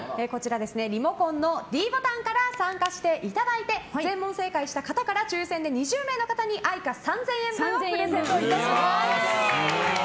リモコンのｄボタンから参加していただいて全問正解した方から抽選で２０名の方にＡｉｃａ３０００円分をプレゼントいたします！